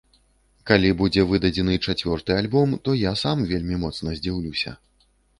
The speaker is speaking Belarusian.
Калі будзе выдадзены чацвёрты альбом, то я сам вельмі моцна здзіўлюся.